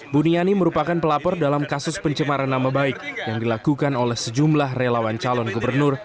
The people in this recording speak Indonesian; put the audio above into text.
buniani merupakan pelapor dalam kasus pencemaran nama baik yang dilakukan oleh sejumlah relawan calon gubernur